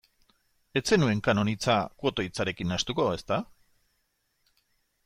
Ez zenuen kanon hitza kuota hitzarekin nahastuko, ezta?